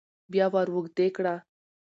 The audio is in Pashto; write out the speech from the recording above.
بيا وراوږدې کړه